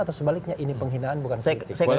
atau sebaliknya ini penghinaan bukan